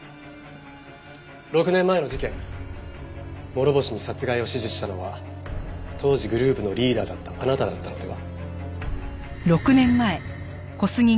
６年前の事件諸星に殺害を指示したのは当時グループのリーダーだったあなただったのでは？